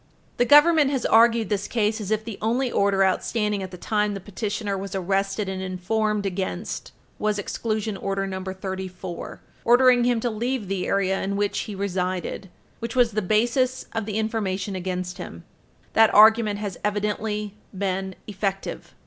The Government has argued this case as if the only order outstanding at the time the petitioner was arrested and informed against was Exclusion Order No. 34, ordering him to leave the area in which he resided, which was the basis of the information against him. That argument has evidently been effective.